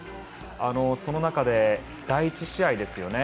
その中で第１試合ですよね。